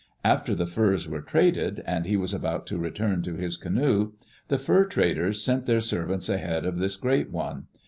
After the furs were traded and he was about to return to his canoe, the fur traders sent their servants ahead of this great one.